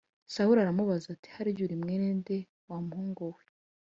Sawuli aramubaza ati “Harya uri mwene nde wa muhungu we?”